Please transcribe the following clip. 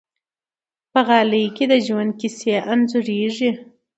په غالۍ کې د ژوند کیسې انځورېږي.